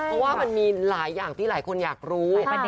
เพราะว่ามันมีหลายอย่างที่หลายคนอยากรู้